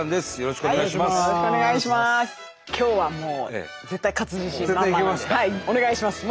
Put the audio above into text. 今日はもうお願いします！